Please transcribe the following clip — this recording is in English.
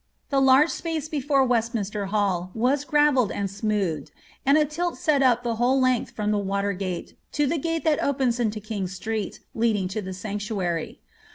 The laige space before Westminster Hall was grarelled and smoothed, and a tilt set up the whole length from the water gate to the gate that opens into King's Street, leading to the Sanc tuary.